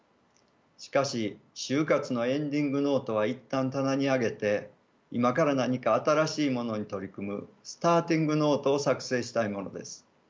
しかし終活のエンディングノートは一旦棚に上げて今から何か新しいものに取り組むスターティングノートを作成したいものです。